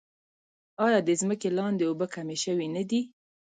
آیا د ځمکې لاندې اوبه کمې شوې نه دي؟